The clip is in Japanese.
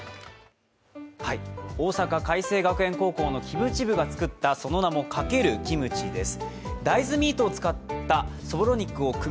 大阪偕星学園高校のキムチ部が作った、その名も×キムチです。